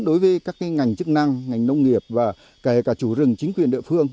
đối với các ngành chức năng ngành nông nghiệp và kể cả chủ rừng chính quyền địa phương